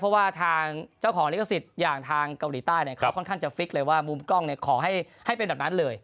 เพราะว่าทางเจ้าของลิขสิทธิ์อย่างทางเกาหลีใต้เนี่ยเขาค่อนข้างจะฟิกเลยว่ามุมกล้องเนี่ยขอให้เป็นแบบนั้นเลย